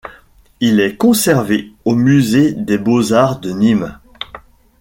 Il est conservé au musée des beaux-arts de Nîmes.